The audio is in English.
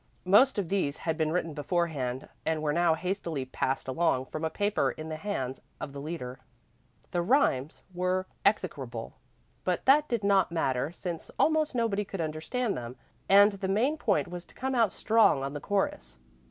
Most of these had been written beforehand and were now hastily "passed along" from a paper in the hands of the leader. The rhymes were execrable, but that did not matter since almost nobody could understand them; and the main point was to come out strong on the chorus.